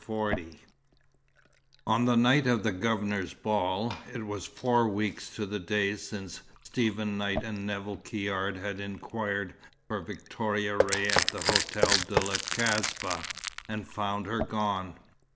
XL On the night of the Governor's ball, it was four weeks to the day since Stephen Knight and Nevill Caird had inquired for Victoria Ray at the Hotel de la Kasbah, and found her gone.